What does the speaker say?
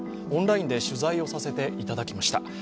オンラインで取材をさせていただきました。